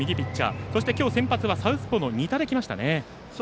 今日そして先発はサウスポーの仁田できましたね。